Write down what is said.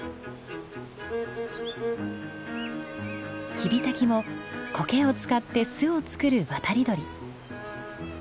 キビタキもコケを使って巣を作る渡り鳥。